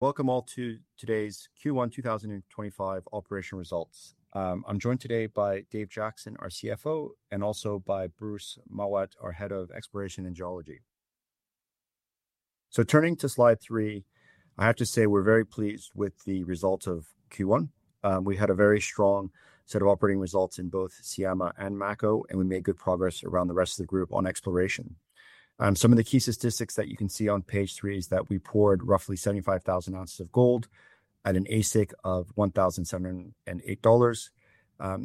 Welcome all to today's Q1 2025 operation results. I'm joined today by Dave Jackson, our CFO, and also by Bruce Mowat, our Head of Exploration and Geology. Turning to slide three, I have to say we're very pleased with the results of Q1. We had a very strong set of operating results in both Syama and Mako, and we made good progress around the rest of the group on exploration. Some of the key statistics that you can see on page three is that we poured roughly 75,000 ounces of gold at an AISC of $1,708.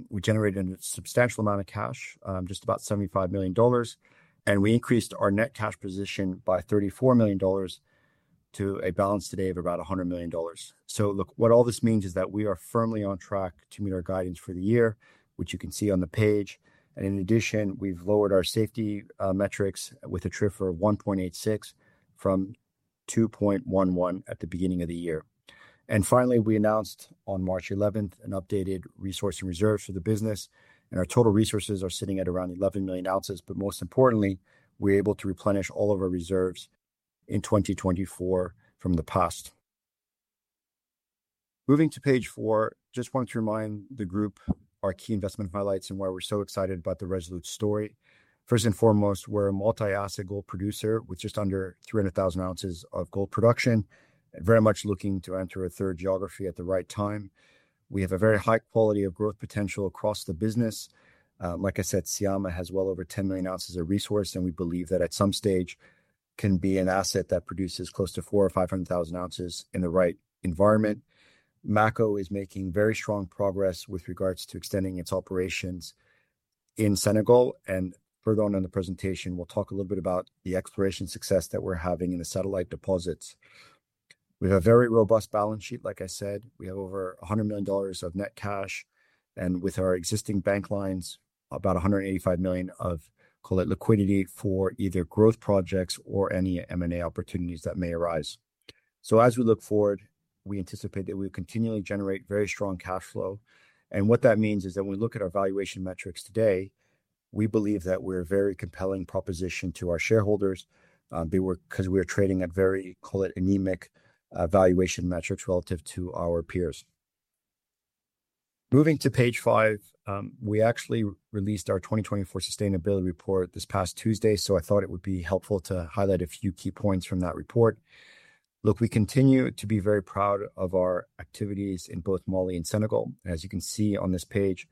We generated a substantial amount of cash, just about $75 million, and we increased our net cash position by $34 million to a balance today of about $100 million. Look, what all this means is that we are firmly on track to meet our guidance for the year, which you can see on the page. In addition, we've lowered our safety metrics with a TRIFR of 1.86 from 2.11 at the beginning of the year. Finally, we announced on March 11th an updated resource and reserves for the business, and our total resources are sitting at around 11 million ounces. Most importantly, we're able to replenish all of our reserves in 2024 from the past. Moving to page four, just wanted to remind the group our key investment highlights and why we're so excited about the Resolute story. First and foremost, we're a multi-asset gold producer with just under 300,000 ounces of gold production, very much looking to enter a third geography at the right time. We have a very high quality of growth potential across the business. Like I said, Syama has well over 10 million ounces of resource, and we believe that at some stage can be an asset that produces close to 400,000 or 500,000 ounces in the right environment. Mako is making very strong progress with regards to extending its operations in Senegal. Further on in the presentation, we'll talk a little bit about the exploration success that we're having in the satellite deposits. We have a very robust balance sheet. Like I said, we have over $100 million of net cash, and with our existing bank lines, about $185 million of, call it liquidity for either growth projects or any M&A opportunities that may arise. As we look forward, we anticipate that we will continually generate very strong cash flow. What that means is that when we look at our valuation metrics today, we believe that we're a very compelling proposition to our shareholders, because we're trading at very, call it anemic, valuation metrics relative to our peers. Moving to page five, we actually released our 2024 sustainability report this past Tuesday, so I thought it would be helpful to highlight a few key points from that report. Look, we continue to be very proud of our activities in both Mali and Senegal. As you can see on this page,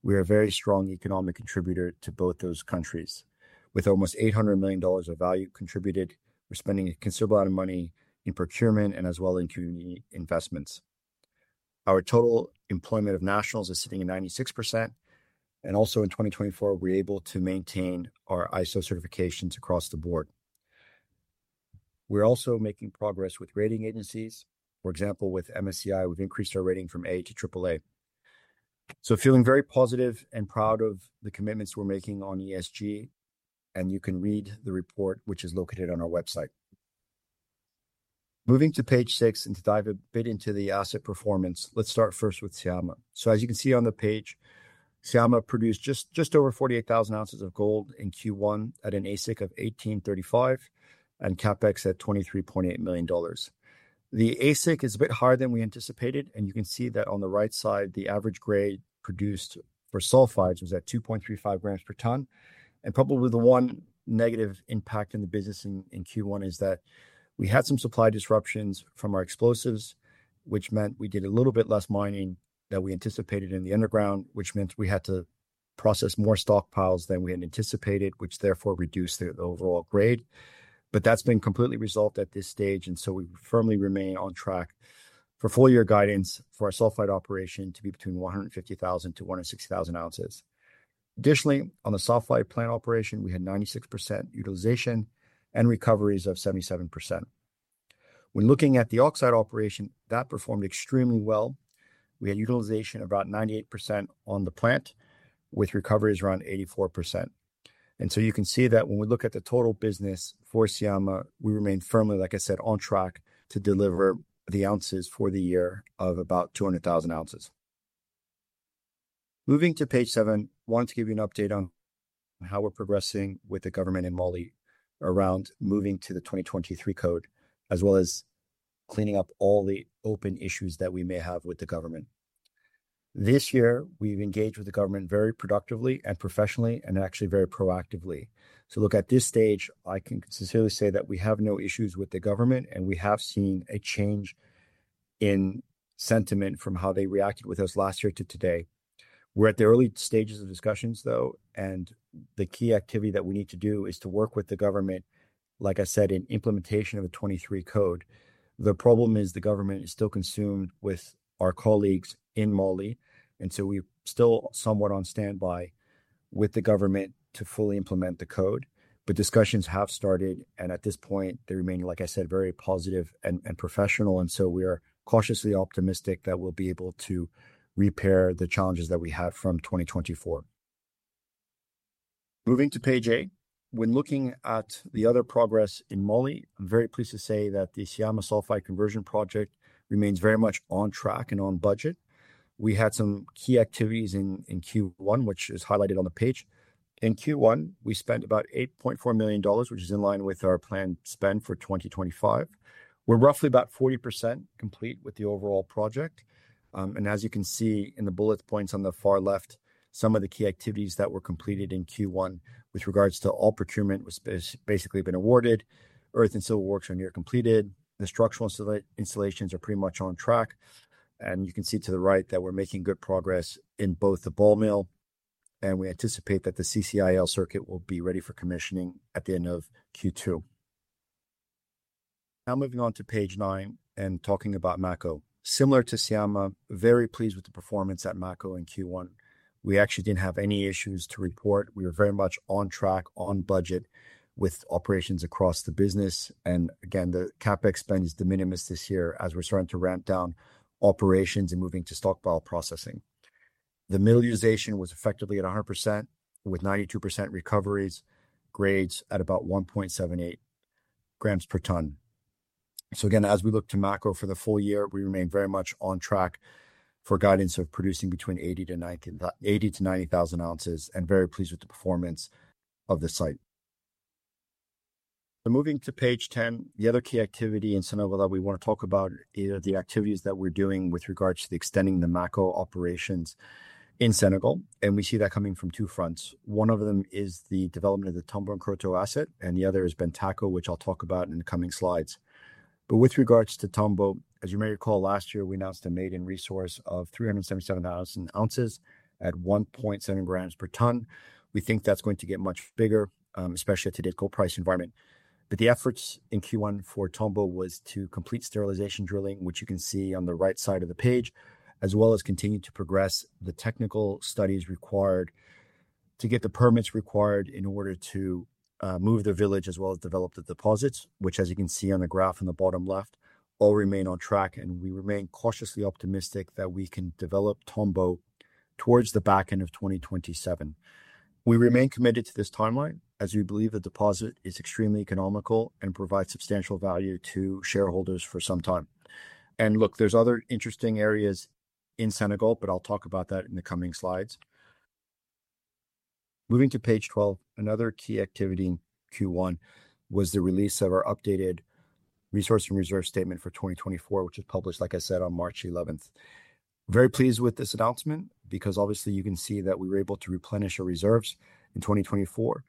we are a very strong economic contributor to both those countries. With almost $800 million of value contributed, we're spending a considerable amount of money in procurement and as well in community investments. Our total employment of nationals is sitting at 96%, and also in 2024, we're able to maintain our ISO certifications across the board. We're also making progress with rating agencies. For example, with MSCI, we've increased our rating from A to AAA. Feeling very positive and proud of the commitments we're making on ESG, and you can read the report, which is located on our website. Moving to page six and to dive a bit into the asset performance, let's start first with Syama. As you can see on the page, Syama produced just, just over 48,000 ounces of gold in Q1 at an AISC of $1,835 and CapEx at $23.8 million. The AISC is a bit higher than we anticipated, and you can see that on the right side, the average grade produced for sulfides was at 2.35 grams per ton. Probably the one negative impact in the business in Q1 is that we had some supply disruptions from our explosives, which meant we did a little bit less mining than we anticipated in the underground, which meant we had to process more stockpiles than we had anticipated, which therefore reduced the overall grade. That has been completely resolved at this stage, and we firmly remain on track for full year guidance for our sulfide operation to be between 150,000-160,000 ounces. Additionally, on the sulfide plant operation, we had 96% utilization and recoveries of 77%. When looking at the oxide operation, that performed extremely well. We had utilization of about 98% on the plant with recoveries around 84%. You can see that when we look at the total business for Syama, we remain firmly, like I said, on track to deliver the ounces for the year of about 200,000 ounces. Moving to page seven, I wanted to give you an update on how we're progressing with the government in Mali around moving to the 2023 code, as well as cleaning up all the open issues that we may have with the government. This year, we've engaged with the government very productively and professionally and actually very proactively. Look, at this stage, I can sincerely say that we have no issues with the government, and we have seen a change in sentiment from how they reacted with us last year to today. We're at the early stages of discussions, though, and the key activity that we need to do is to work with the government, like I said, in implementation of the 2023 code. The problem is the government is still consumed with our colleagues in Mali, and so we're still somewhat on standby with the government to fully implement the code. Discussions have started, and at this point, they remain, like I said, very positive and professional, and we are cautiously optimistic that we'll be able to repair the challenges that we have from 2024. Moving to page eight, when looking at the other progress in Mali, I'm very pleased to say that the Syama Sulphide Conversion Project remains very much on track and on budget. We had some key activities in Q1, which is highlighted on the page. In Q1, we spent about $8.4 million, which is in line with our planned spend for 2025. We're roughly about 40% complete with the overall project. As you can see in the bullet points on the far left, some of the key activities that were completed in Q1 with regards to all procurement was basically been awarded. Earth and civil works are near completed. The structural installations are pretty much on track, and you can see to the right that we're making good progress in both the ball mill, and we anticipate that the CIL circuit will be ready for commissioning at the end of Q2. Now moving on to page nine and talking about Mako. Similar to Syama, very pleased with the performance at Mako in Q1. We actually didn't have any issues to report. We were very much on track, on budget with operations across the business. Again, the CapEx spend is de minimis this year as we're starting to ramp down operations and moving to stockpile processing. The mill utilization was effectively at 100% with 92% recoveries, grades at about 1.78 grams per ton. As we look to Mako for the full year, we remain very much on track for guidance of producing between 80,000-90,000 ounces and very pleased with the performance of the site. Moving to page 10, the other key activity in Senegal that we want to talk about is the activities that we're doing with regards to extending the Mako operations in Senegal. We see that coming from two fronts. One of them is the development of the Tomboronkoto asset, and the other is Bantaco, which I'll talk about in the coming slides. With regards to Tomboronkoto, as you may recall, last year we announced a maiden resource of 377,000 ounces at 1.7 grams per ton. We think that's going to get much bigger, especially at today's gold price environment. The efforts in Q1 for Tomboronkoto was to complete sterilization drilling, which you can see on the right side of the page, as well as continue to progress the technical studies required to get the permits required in order to move the village as well as develop the deposits, which, as you can see on the graph on the bottom left, all remain on track. We remain cautiously optimistic that we can develop Tomboronkoto towards the back end of 2027. We remain committed to this timeline as we believe the deposit is extremely economical and provides substantial value to shareholders for some time. Look, there are other interesting areas in Senegal, but I'll talk about that in the coming slides. Moving to page 12, another key activity in Q1 was the release of our updated resource and reserve statement for 2024, which was published, like I said, on March 11th. Very pleased with this announcement because obviously you can see that we were able to replenish our reserves in 2024.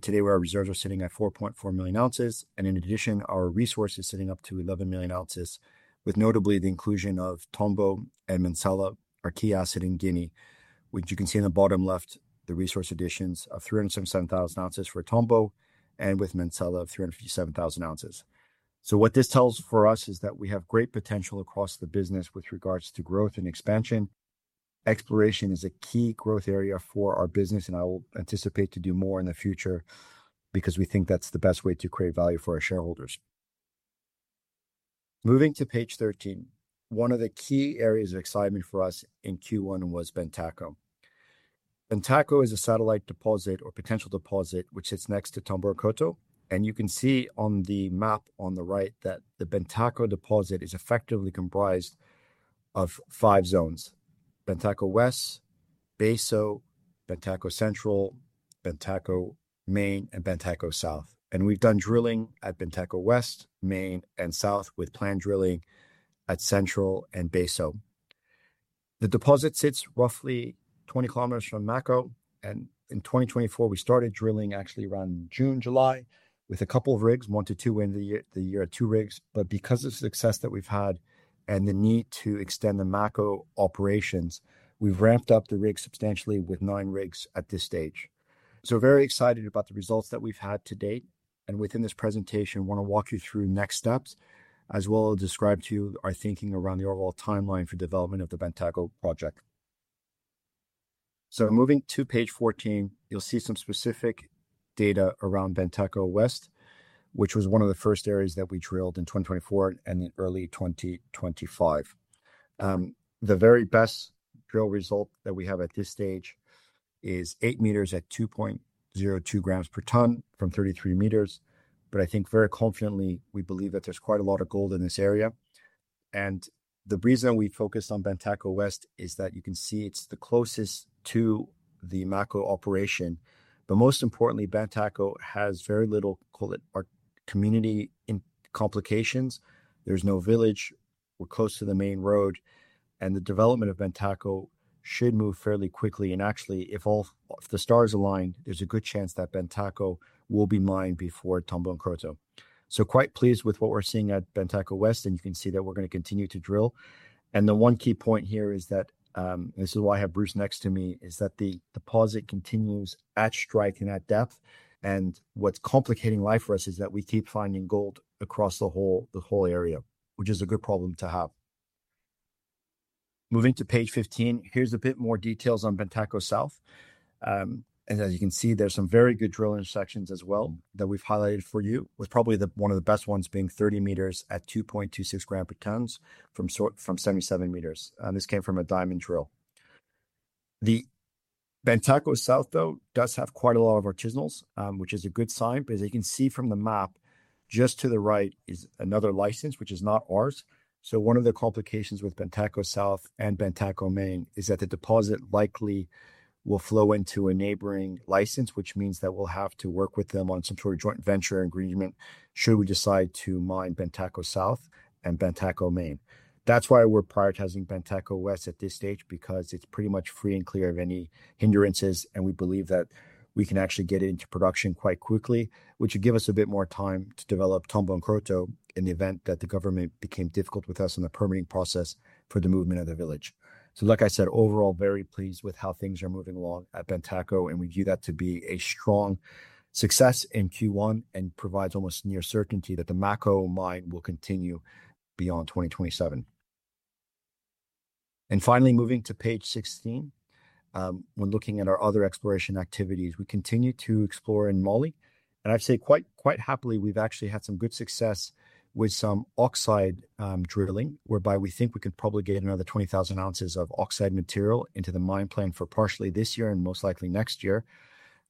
Today our reserves are sitting at 4.4 million ounces. In addition, our resource is sitting up to 11 million ounces, with notably the inclusion of Tomboronkoto and Mansala, our key asset in Guinea, which you can see in the bottom left, the resource additions of 377,000 ounces for Tomboronkoto and with Mansala of 357,000 ounces. What this tells for us is that we have great potential across the business with regards to growth and expansion. Exploration is a key growth area for our business, and I will anticipate to do more in the future because we think that's the best way to create value for our shareholders. Moving to page 13, one of the key areas of excitement for us in Q1 was Bantaco. Bantaco is a satellite deposit or potential deposit which sits next to Tomboronkoto. You can see on the map on the right that the Bantaco deposit is effectively comprised of five zones: Bantaco West, Sikasso, Bantaco Central, Bantaco Main, and Bantaco South. We have done drilling at Bantaco West, Main, and South with planned drilling at Central and Sikasso. The deposit sits roughly 20 km from Mako. In 2024, we started drilling actually around June, July with a couple of rigs, one to two in the year, the year of two rigs. Because of the success that we've had and the need to extend the Mako operations, we've ramped up the rigs substantially with nine rigs at this stage. Very excited about the results that we've had to date. Within this presentation, I want to walk you through next steps, as well as describe to you our thinking around the overall timeline for development of the Bantaco project. Moving to page 14, you'll see some specific data around Bantaco West, which was one of the first areas that we drilled in 2024 and in early 2025. The very best drill result that we have at this stage is 8 meters at 2.02 grams per ton from 33 meters. I think very confidently we believe that there's quite a lot of gold in this area. The reason we focused on Bantaco West is that you can see it is the closest to the Mako operation. Most importantly, Bantaco has very little, call it, community complications. There is no village. We are close to the main road, and the development of Bantaco should move fairly quickly. Actually, if all the stars align, there is a good chance that Bantaco will be mined before Tomboronkoto. Quite pleased with what we are seeing at Bantaco West, and you can see that we are going to continue to drill. The one key point here is that, this is why I have Bruce next to me, the deposit continues at strike and at depth. What is complicating life for us is that we keep finding gold across the whole area, which is a good problem to have. Moving to page 15, here's a bit more details on Bantaco South. As you can see, there's some very good drilling sections as well that we've highlighted for you, with probably one of the best ones being 30 meters at 2.26 grams per ton from 77 meters. This came from a diamond drill. The Bantaco South, though, does have quite a lot of artisanals, which is a good sign because you can see from the map just to the right is another license, which is not ours. One of the complications with Bantaco South and Bantaco Main is that the deposit likely will flow into a neighboring license, which means that we'll have to work with them on some sort of joint venture agreement should we decide to mine Bantaco South and Bantaco Main. That's why we're prioritizing Bantaco West at this stage, because it's pretty much free and clear of any hindrances, and we believe that we can actually get it into production quite quickly, which would give us a bit more time to develop Tomboronkoto and Krekoto in the event that the government became difficult with us in the permitting process for the movement of the village. Like I said, overall, very pleased with how things are moving along at Bantaco, and we view that to be a strong success in Q1 and provides almost near certainty that the Mako mine will continue beyond 2027. Finally, moving to page 16, when looking at our other exploration activities, we continue to explore in Mali, and I'd say quite, quite happily we've actually had some good success with some oxide drilling, whereby we think we can probably get another 20,000 ounces of oxide material into the mine plan for partially this year and most likely next year.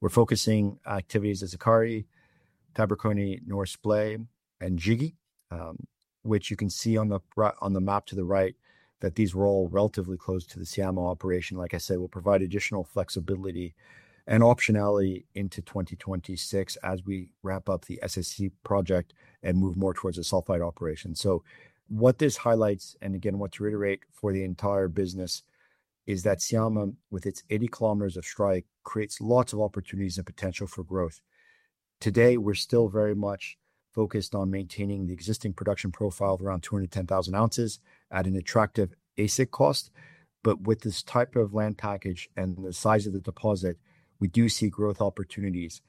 We're focusing activities at Zekere, Tabakoroni, North Splay, and Djigui, which you can see on the map to the right, that these were all relatively close to the Syama operation. Like I said, we'll provide additional flexibility and optionality into 2026 as we ramp up the SSCP project and move more towards a sulfide operation. What this highlights, and again, what to reiterate for the entire business, is that Syama, with its 80 kilometers of strike, creates lots of opportunities and potential for growth. Today, we're still very much focused on maintaining the existing production profile of around 210,000 ounces at an attractive AISC cost. With this type of land package and the size of the deposit, we do see growth opportunities.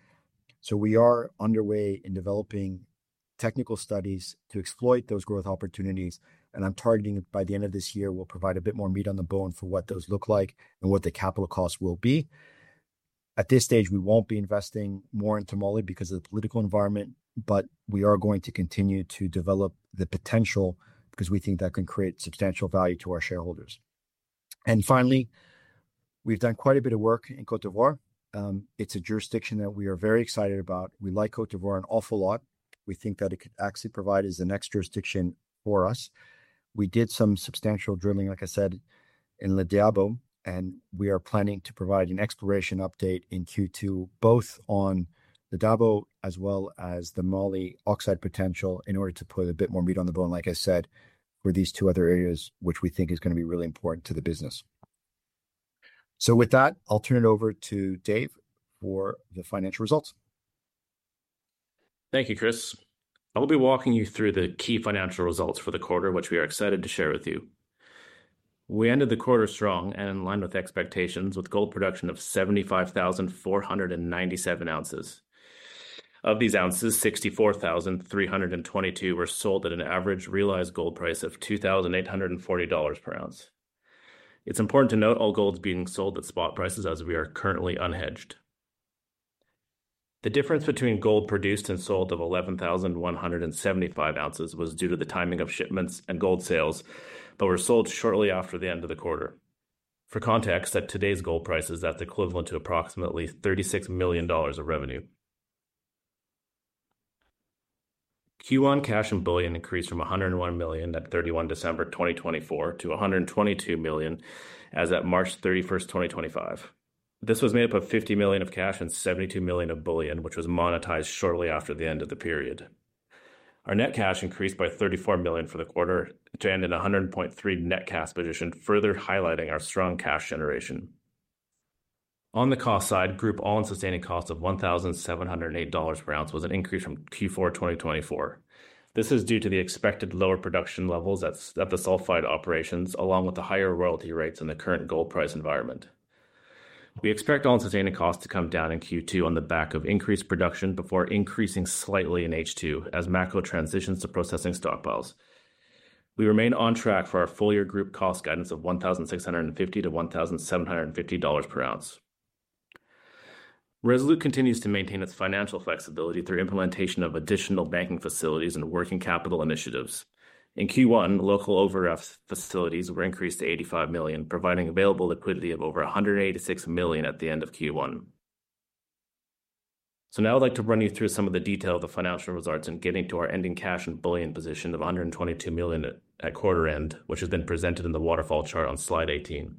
We are underway in developing technical studies to exploit those growth opportunities. I'm targeting by the end of this year, we'll provide a bit more meat on the bone for what those look like and what the capital cost will be. At this stage, we won't be investing more into Mali because of the political environment, but we are going to continue to develop the potential because we think that can create substantial value to our shareholders. Finally, we've done quite a bit of work in Cote d'Ivoire. It's a jurisdiction that we are very excited about. We like Cote d'Ivoire an awful lot. We think that it could actually provide as the next jurisdiction for us. We did some substantial drilling, like I said, in Diabo, and we are planning to provide an exploration update in Q2, both on Diabo as well as the Mali oxide potential in order to put a bit more meat on the bone, like I said, for these two other areas, which we think is going to be really important to the business. With that, I'll turn it over to Dave for the financial results. Thank you, Chris. I'll be walking you through the key financial results for the quarter, which we are excited to share with you. We ended the quarter strong and in line with expectations, with gold production of 75,497 ounces. Of these ounces, 64,322 were sold at an average realized gold price of $2,840 per ounce. It's important to note all gold's being sold at spot prices as we are currently unhedged. The difference between gold produced and sold of 11,175 ounces was due to the timing of shipments and gold sales, but were sold shortly after the end of the quarter. For context, at today's gold prices, that's equivalent to approximately $36 million of revenue. Q1 cash and bullion increased from $101 million at 31 December 2024 to $122 million as at March 31st, 2025. This was made up of $50 million of cash and $72 million of bullion, which was monetized shortly after the end of the period. Our net cash increased by $34 million for the quarter, which ended in a $100.3 million net cash position, further highlighting our strong cash generation. On the cost side, group all-in sustaining cost of $1,708 per ounce was an increase from Q4 2024. This is due to the expected lower production levels at the sulfide operations, along with the higher royalty rates in the current gold price environment. We expect all-in sustaining costs to come down in Q2 on the back of increased production before increasing slightly in H2 as Mako transitions to processing stockpiles. We remain on track for our full year group cost guidance of $1,650-$1,750 per ounce. Resolute continues to maintain its financial flexibility through implementation of additional banking facilities and working capital initiatives. In Q1, local overdraft facilities were increased to $85 million, providing available liquidity of over $186 million at the end of Q1. I would now like to run you through some of the detail of the financial results and getting to our ending cash and bullion position of $122 million at quarter end, which has been presented in the waterfall chart on slide 18.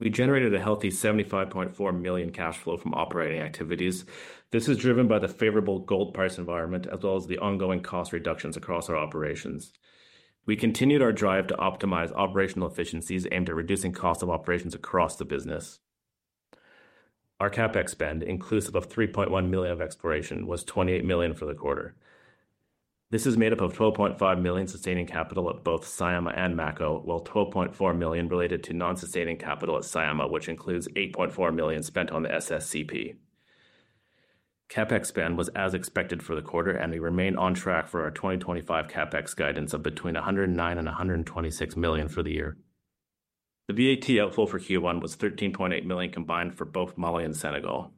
We generated a healthy $75.4 million cash flow from operating activities. This is driven by the favorable gold price environment, as well as the ongoing cost reductions across our operations. We continued our drive to optimize operational efficiencies aimed at reducing cost of operations across the business. Our CapEx spend, inclusive of $3.1 million of exploration, was $28 million for the quarter. This is made up of $12.5 million sustaining capital at both Syama and Mako, while $12.4 million related to non-sustaining capital at Syama, which includes $8.4 million spent on the SSCP. CapEx spend was as expected for the quarter, and we remain on track for our 2025 CapEx guidance of between $109 million and $126 million for the year. The VAT outflow for Q1 was $13.8 million combined for both Mali and Senegal.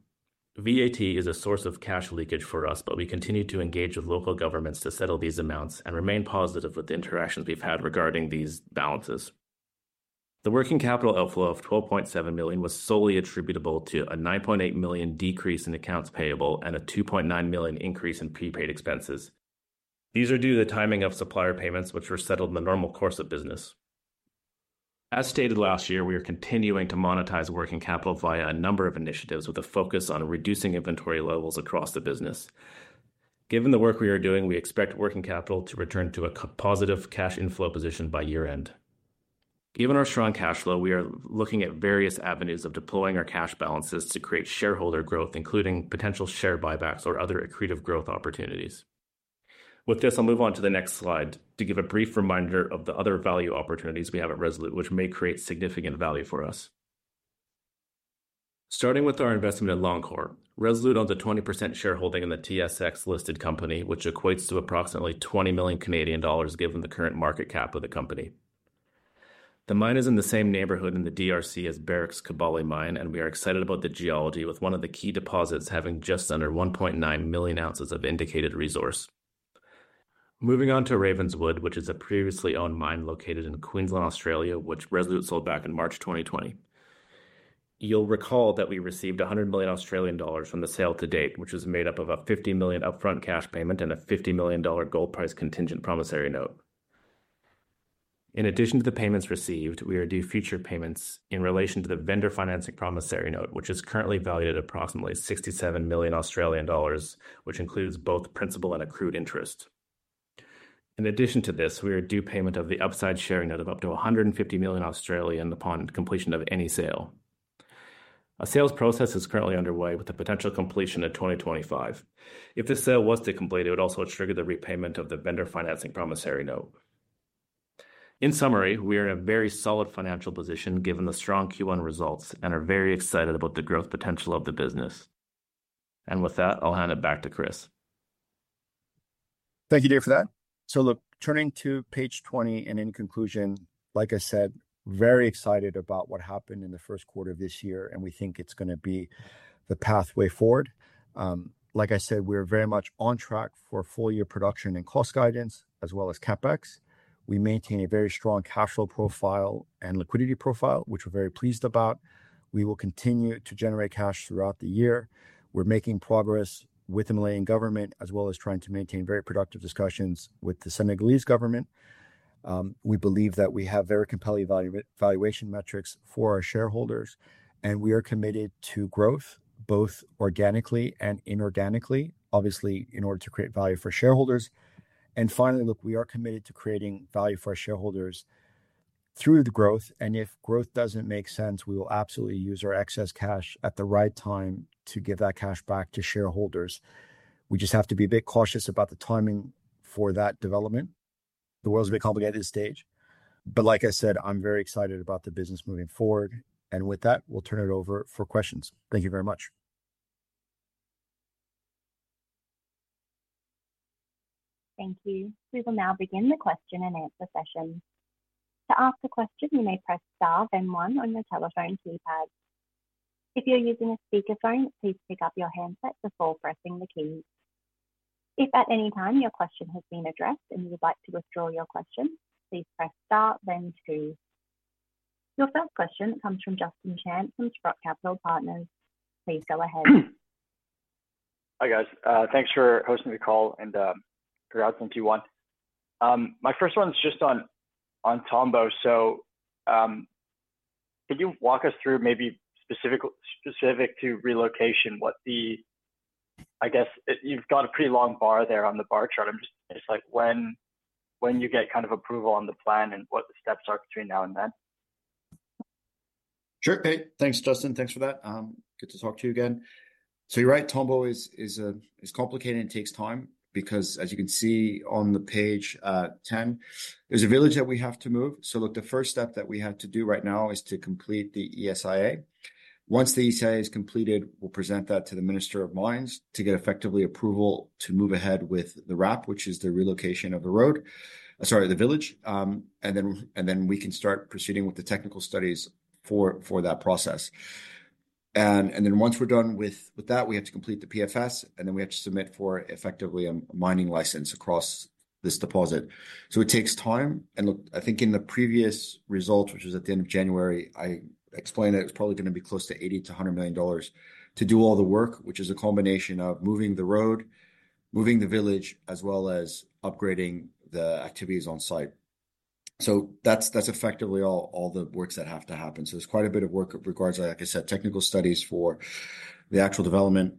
VAT is a source of cash leakage for us, but we continue to engage with local governments to settle these amounts and remain positive with the interactions we've had regarding these balances. The working capital outflow of $12.7 million was solely attributable to a $9.8 million decrease in accounts payable and a $2.9 million increase in prepaid expenses. These are due to the timing of supplier payments, which were settled in the normal course of business. As stated last year, we are continuing to monetize working capital via a number of initiatives with a focus on reducing inventory levels across the business. Given the work we are doing, we expect working capital to return to a positive cash inflow position by year-end. Given our strong cash flow, we are looking at various avenues of deploying our cash balances to create shareholder growth, including potential share buybacks or other accretive growth opportunities. With this, I'll move on to the next slide to give a brief reminder of the other value opportunities we have at Resolute, which may create significant value for us. Starting with our investment at Loncor, Resolute owns a 20% shareholding in the TSX-listed company, which equates to approximately 20 million Canadian dollars given the current market cap of the company. The mine is in the same neighborhood in the Democratic Republic of Congo as Barrick's Kibali Mine, and we are excited about the geology, with one of the key deposits having just under 1.9 million ounces of indicated resource. Moving on to Ravenswood, which is a previously owned mine located in Queensland, Australia, which Resolute sold back in March 2020. You'll recall that we received 100 million Australian dollars from the sale to date, which was made up of a 50 million upfront cash payment and a 50 million dollar gold price contingent promissory note. In addition to the payments received, we are due future payments in relation to the vendor financing promissory note, which is currently valued at approximately 67 million Australian dollars, which includes both principal and accrued interest. In addition to this, we are due payment of the upside sharing note of up to 150 million upon completion of any sale. A sales process is currently underway with a potential completion in 2025. If this sale was to complete, it would also trigger the repayment of the vendor financing promissory note. In summary, we are in a very solid financial position given the strong Q1 results and are very excited about the growth potential of the business. With that, I'll hand it back to Chris. Thank you, Dave, for that. Look, turning to page 20 and in conclusion, like I said, very excited about what happened in the first quarter of this year, and we think it's going to be the pathway forward. Like I said, we're very much on track for full year production and cost guidance, as well as CapEx. We maintain a very strong cash flow profile and liquidity profile, which we're very pleased about. We will continue to generate cash throughout the year. We're making progress with the Malian government, as well as trying to maintain very productive discussions with the Senegalese government. We believe that we have very compelling valuation metrics for our shareholders, and we are committed to growth, both organically and inorganically, obviously in order to create value for shareholders. Finally, look, we are committed to creating value for our shareholders through the growth. If growth does not make sense, we will absolutely use our excess cash at the right time to give that cash back to shareholders. We just have to be a bit cautious about the timing for that development. The world's a bit complicated at this stage. Like I said, I am very excited about the business moving forward. With that, we will turn it over for questions. Thank you very much. Thank you. We will now begin the question and answer session. To ask a question, you may press Star then one on your telephone keypad. If you're using a speakerphone, please pick up your handset before pressing the keys. If at any time your question has been addressed and you would like to withdraw your question, please press Star then two. Your first question comes from Justin Chan from Sprott Capital Partners. Please go ahead. Hi guys, thanks for hosting the call and for asking Q1. My first one's just on Tomboronkoto. Could you walk us through maybe specifically specific to relocation what the, I guess you've got a pretty long bar there on the bar chart. I'm just curious like when you get kind of approval on the plan and what the steps are between now and then. Sure, thanks Justin, thanks for that. Good to talk to you again. You're right, Tomboronkoto is complicated and takes time because as you can see on page 10, there's a village that we have to move. The first step that we have to do right now is to complete the ESIA. Once the ESIA is completed, we'll present that to the Minister of Mines to get effectively approval to move ahead with the ramp, which is the relocation of the road, sorry, the village. Then we can start proceeding with the technical studies for that process. Once we're done with that, we have to complete the PFS and then we have to submit for effectively a mining license across this deposit. It takes time and look, I think in the previous results, which was at the end of January, I explained it was probably going to be close to $80 million-$100 million to do all the work, which is a combination of moving the road, moving the village, as well as upgrading the activities on site. That's effectively all the works that have to happen. There's quite a bit of work in regards to, like I said, technical studies for the actual development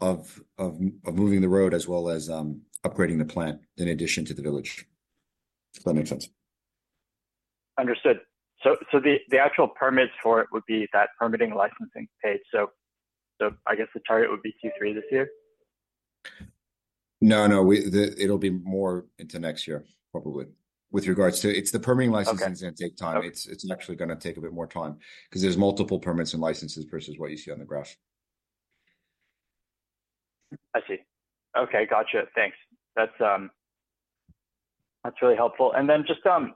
of moving the road, as well as upgrading the plant in addition to the village. If that makes sense. Understood. The actual permits for it would be that permitting licensing page. I guess the target would be Q3 this year? No, no, it will be more into next year probably. With regards to it's the permitting licenses are going to take time. It's actually going to take a bit more time because there's multiple permits and licenses versus what you see on the graph. I see. Okay, gotcha. Thanks. That's really helpful. And then just on,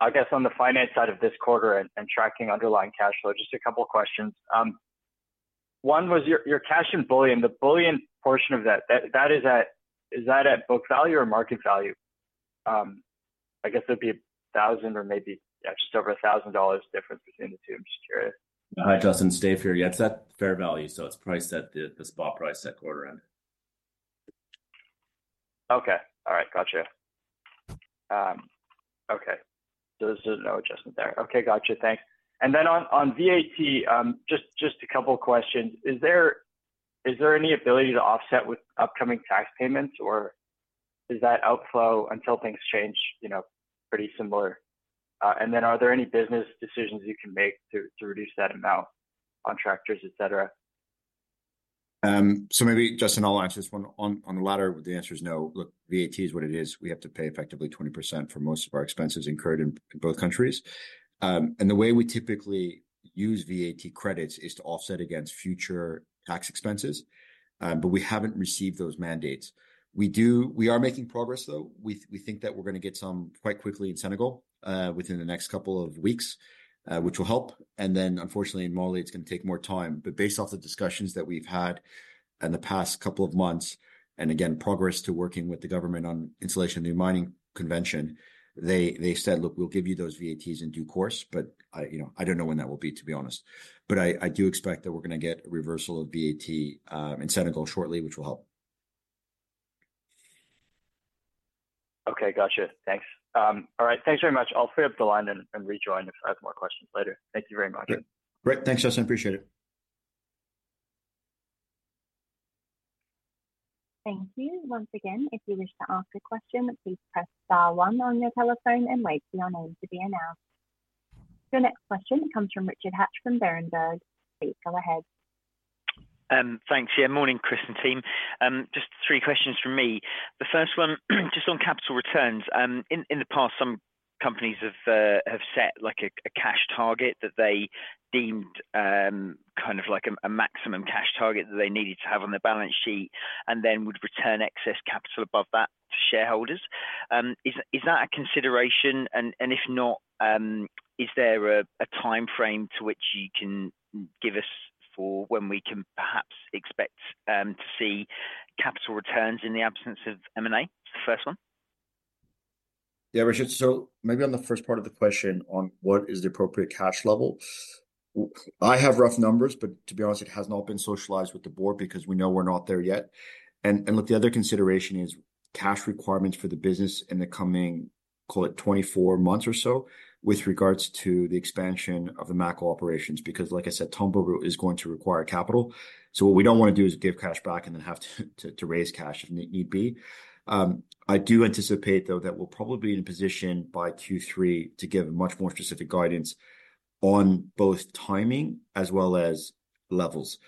I guess, on the finance side of this quarter and tracking underlying cash flow, just a couple of questions. One was your cash and bullion, the bullion portion of that, that is at is that at book value or market value? I guess it would be a thousand or maybe yeah, just over a thousand dollars difference between the two. I'm just curious. Hi Justin, Dave here. Yeah, it's at fair value. So it's priced at the spot price at quarter end. Okay. All right. Gotcha. Okay. So there's no adjustment there. Okay, gotcha. Thanks. On VAT, just a couple of questions. Is there any ability to offset with upcoming tax payments or is that outflow until things change, you know, pretty similar? Are there any business decisions you can make to reduce that amount on tractors, etc.? Maybe Justin, I'll answer this one. On the latter, the answer is no. Look, VAT is what it is. We have to pay effectively 20% for most of our expenses incurred in both countries. The way we typically use VAT credits is to offset against future tax expenses. We have not received those mandates. We are making progress though. We think that we are going to get some quite quickly in Senegal within the next couple of weeks, which will help. Unfortunately, in Mali, it is going to take more time. Based off the discussions that we've had in the past couple of months and again progress to working with the government on installation of the mining convention, they said, look, we'll give you those VATs in due course, but I, you know, I don't know when that will be, to be honest. I do expect that we're going to get a reversal of VAT in Senegal shortly, which will help. Okay, gotcha. Thanks. All right. Thanks very much. I'll free up the line and rejoin if I have more questions later. Thank you very much. Great. Thanks, Justin. Appreciate it. Thank you. Once again, if you wish to ask a question, please press Star one on your telephone and wait for your name to be announced. Your next question comes from Richard Hatch from Berenberg. Dave, go ahead. Thanks. Yeah, morning, Chris and team. Just three questions from me. The first one, just on capital returns. In the past, some companies have set like a cash target that they deemed kind of like a maximum cash target that they needed to have on their balance sheet and then would return excess capital above that to shareholders. Is that a consideration? If not, is there a timeframe to which you can give us for when we can perhaps expect to see capital returns in the absence of M&A? It's the first one. Yeah, Richard. Maybe on the first part of the question on what is the appropriate cash level, I have rough numbers, but to be honest, it has not been socialized with the board because we know we're not there yet. Look, the other consideration is cash requirements for the business in the coming, call it 24 months or so, with regards to the expansion of the Mako operations because, like I said, Tomboronkoto is going to require capital. What we do not want to do is give cash back and then have to raise cash if need be. I do anticipate though that we will probably be in a position by Q3 to give much more specific guidance on both timing as well as levels.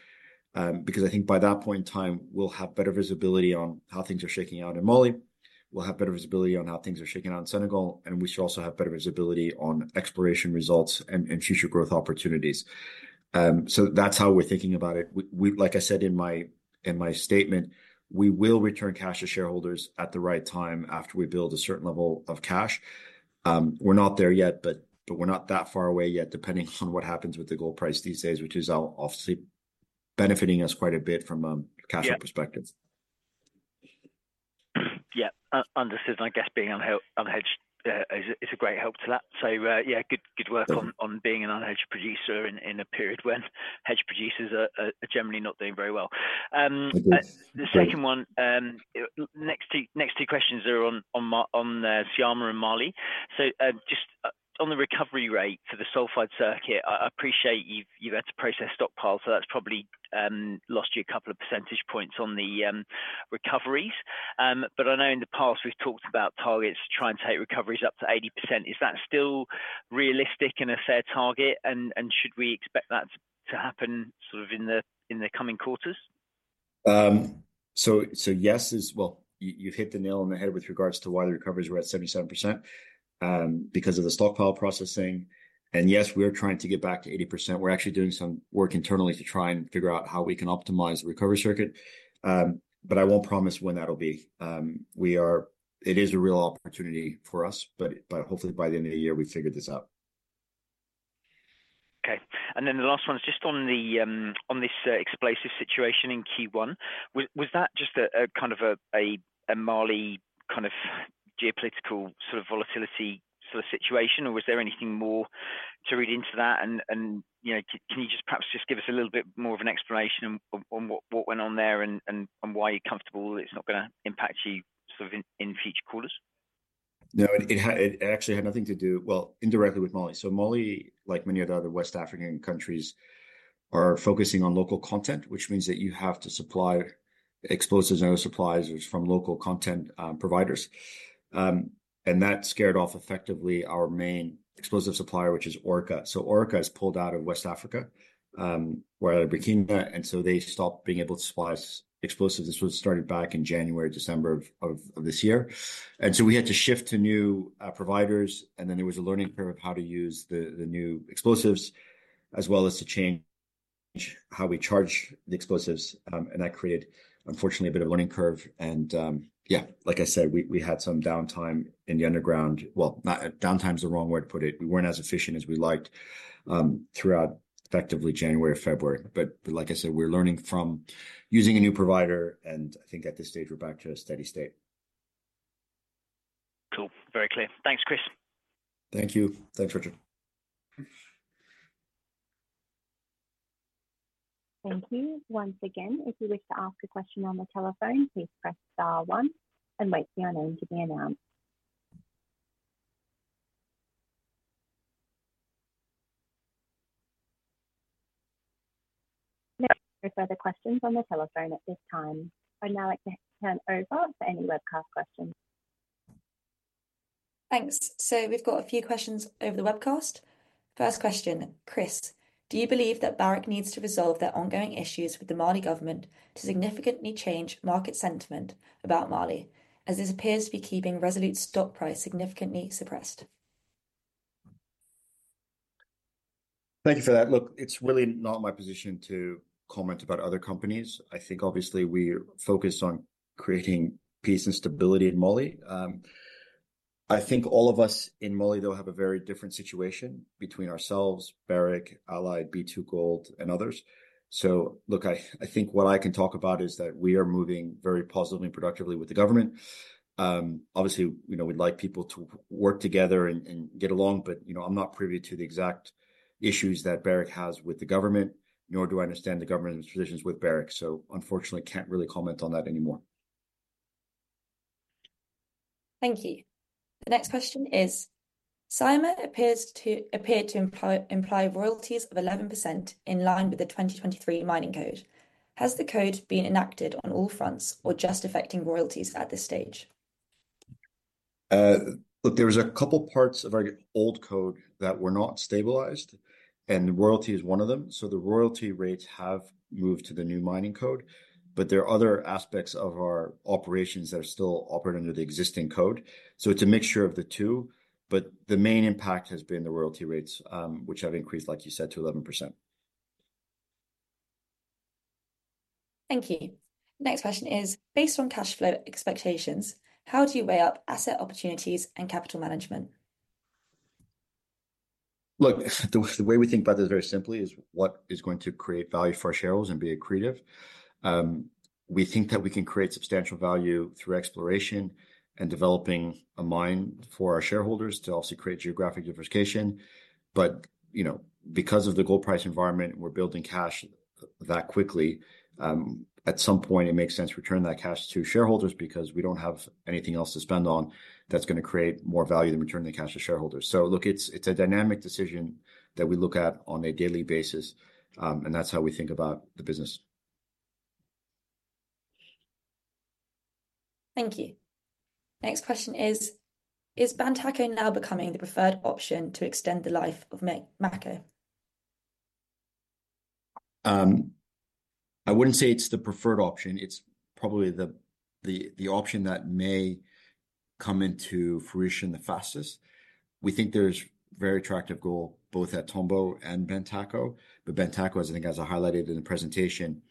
I think by that point in time, we will have better visibility on how things are shaking out in Mali. We will have better visibility on how things are shaking out in Senegal, and we should also have better visibility on exploration results and future growth opportunities. That is how we are thinking about it. Like I said in my statement, we will return cash to shareholders at the right time after we build a certain level of cash. We're not there yet, but we're not that far away yet, depending on what happens with the gold price these days, which is obviously benefiting us quite a bit from a cash perspective. Yeah, this is, I guess, being unhedged, it's a great help to that. Yeah, good work on being an unhedged producer in a period when hedge producers are generally not doing very well. The next two questions are on Syama and Mali. Just on the recovery rate for the sulfide circuit, I appreciate you've had to process stockpile, so that's probably lost you a couple of percentage points on the recoveries. I know in the past we've talked about targets to try and take recoveries up to 80%. Is that still realistic and a fair target? Should we expect that to happen sort of in the coming quarters? Yes, you have hit the nail on the head with regards to why the recoveries were at 77% because of the stockpile processing. Yes, we are trying to get back to 80%. We are actually doing some work internally to try and figure out how we can optimize the recovery circuit. I will not promise when that will be. It is a real opportunity for us, but hopefully by the end of the year we have figured this out. Okay. The last one is just on this explosive situation in Q1. Was that just a kind of a Mali kind of geopolitical sort of volatility sort of situation, or was there anything more to read into that? You know, can you just perhaps just give us a little bit more of an explanation on what went on there and why you're comfortable it's not going to impact you sort of in future quarters? No, it actually had nothing to do, well, indirectly with Mali. Mali, like many other West African countries, are focusing on local content, which means that you have to supply explosives and other supplies from local content providers. That scared off effectively our main explosive supplier, which is Orica. Orica has pulled out of West Africa, where they're Burkina. They stopped being able to supply explosives. This was started back in January, December of this year. We had to shift to new providers. There was a learning curve of how to use the new explosives, as well as to change how we charge the explosives. That created, unfortunately, a bit of a learning curve. Like I said, we had some downtime in the underground. Downtime is the wrong word to put it. We were not as efficient as we liked throughout effectively January, February. Like I said, we are learning from using a new provider. I think at this stage, we are back to a steady state. Cool. Very clear. Thanks, Chris. Thank you. Thanks, Richard. Thank you. Once again, if you wish to ask a question on the telephone, please press Star one and wait for your name to be announced. No further questions on the telephone at this time. I'd now like to hand over for any webcast questions. Thanks. We've got a few questions over the webcast. First question, Chris, do you believe that Barrick needs to resolve their ongoing issues with the Mali government to significantly change market sentiment about Mali as this appears to be keeping Resolute stock price significantly suppressed? Thank you for that. Look, it's really not my position to comment about other companies. I think obviously we focus on creating peace and stability in Mali. I think all of us in Mali, though, have a very different situation between ourselves, Barrick, Allied Gold, B2Gold, and others. I think what I can talk about is that we are moving very positively and productively with the government. Obviously, you know, we'd like people to work together and get along, but you know, I'm not privy to the exact issues that Barrick has with the government, nor do I understand the government's positions with Barrick. Unfortunately, I can't really comment on that anymore. Thank you. The next question is, Syama appears to imply royalties of 11% in line with the 2023 mining code. Has the code been enacted on all fronts or just affecting royalties at this stage? Look, there was a couple parts of our old code that were not stabilized, and royalty is one of them. The royalty rates have moved to the new mining code, but there are other aspects of our operations that are still operating under the existing code. It's a mixture of the two, but the main impact has been the royalty rates, which have increased, like you said, to 11%. Thank you. Next question is, based on cash flow expectations, how do you weigh up asset opportunities and capital management? Look, the way we think about this very simply is what is going to create value for our shareholders and be accretive. We think that we can create substantial value through exploration and developing a mine for our shareholders to obviously create geographic diversification. But you know, because of the gold price environment, we're building cash that quickly. At some point, it makes sense to return that cash to shareholders because we don't have anything else to spend on that's going to create more value than returning the cash to shareholders. Look, it's a dynamic decision that we look at on a daily basis, and that's how we think about the business. Thank you. Next question is, is Bantaco now becoming the preferred option to extend the life of Mako? I wouldn't say it's the preferred option. It's probably the option that may come into fruition the fastest. We think there's very attractive gold both at Tomboronkoto and Bantaco, but Bantaco, as I think as I highlighted in the presentation,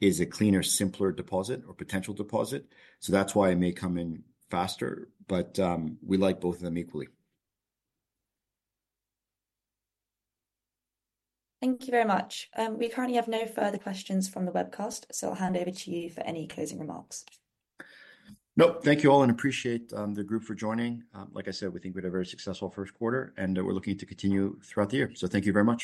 is a cleaner, simpler deposit or potential deposit. That's why it may come in faster, but we like both of them equally. Thank you very much. We currently have no further questions from the webcast, so I'll hand over to you for any closing remarks. Nope. Thank you all and appreciate the group for joining. Like I said, we think we had a very successful first quarter and we're looking to continue throughout the year. Thank you very much.